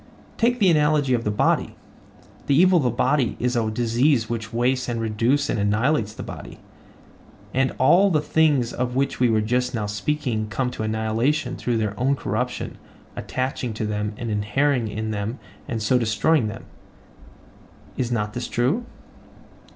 Take the analogy of the body: The evil of the body is a disease which wastes and reduces and annihilates the body; and all the things of which we were just now speaking come to annihilation through their own corruption attaching to them and inhering in them and so destroying them. Is not this true?